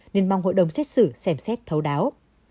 nên mong hội đồng xét xử xem xét thấu đáo